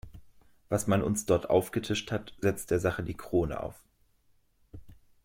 Was man uns dort aufgetischt hat, setzt der Sache die Krone auf!